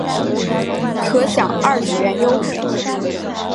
可享二十元优惠